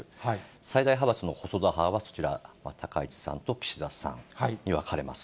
最大派閥の細田派はそちら、高市さんと岸田さんに分かれます。